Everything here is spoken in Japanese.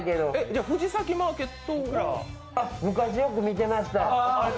じゃあ藤崎マーケットは昔、よく見てました。